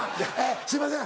すいません